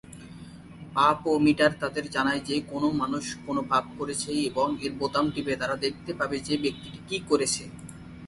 পাপ-ও-মিটার তাদের জানায় যে কোনও মানুষ কোনও পাপ করেছে এবং এর বোতাম টিপে তারা দেখতে পাবে যে ব্যক্তিটি কী করেছে।